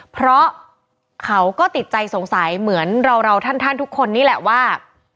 เพราะเขาก็ติดใจสงสัยเหมือนเราท่านทุกคนนี่แหละว่า